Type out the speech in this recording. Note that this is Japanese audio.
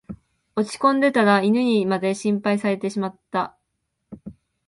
落ちこんでたら犬にまで心配されてしまった